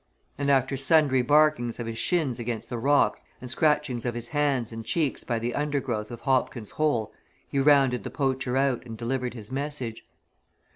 And after sundry barkings of his shins against the rocks and scratchings of his hands and cheeks by the undergrowth of Hobkin's Hole he rounded the poacher out and delivered his message.